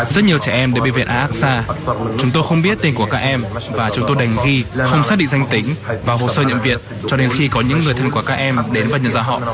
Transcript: rất nhiều trẻ em đến bệnh viện aqsa chúng tôi không biết tên của các em và chúng tôi đành ghi là không xác định danh tính và hồ sơ nhận viện cho đến khi có những người thân của các em đến và nhận ra họ